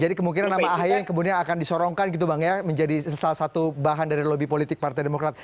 jadi kemungkinan nama ahi yang kemudian akan disorongkan gitu bang ya menjadi salah satu bahan dari lobi politik partai demokrat